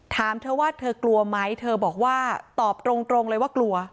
ถามเธอว่าเธอกลัวไหมเธอบอกว่าตอบตรงเลยว่ากลัว